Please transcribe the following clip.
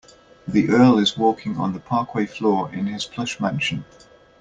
The earl is walking on the parquet floor in his plush mansion.